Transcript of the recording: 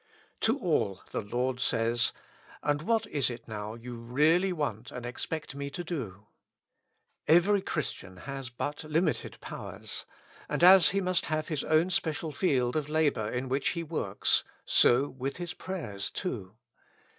To all the Lord says : And what is it now you really want and expect Me to do ? Every Christian has but limited powers, and as he must have his own special field of labor in which he works, so with his prayers too.